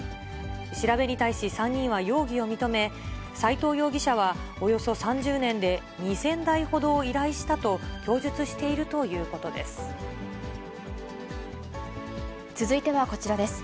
調べに対し３人は容疑を認め、斉藤容疑者はおよそ３０年で２０００台ほどを依頼したと供述しているということです。